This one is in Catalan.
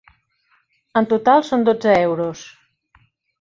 El total són dotze euros.